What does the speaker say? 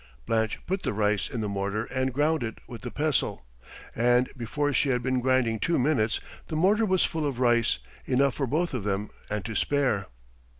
Blanche put the rice in the mortar and ground it with the pestle, and before she had been grinding two minutes the mortar was full of rice, enough for both of them and to spare.